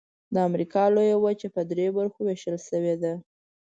د امریکا لویه وچه په درې برخو ویشل شوې ده.